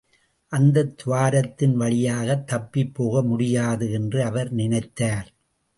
அந்தத் துவாரத்தின் வழியாகத் தப்பிப் போக முடியாது என்று அவர் நினைத்தார்.